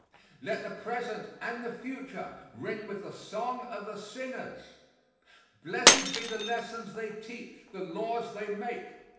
Let the present and the future ring with the song of the singers. Blessed be the lessons they teach, the laws they make.